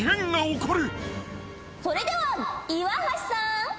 それでは岩橋さん。